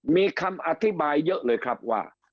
มีคำอธิบายเยอะเลยครับว่า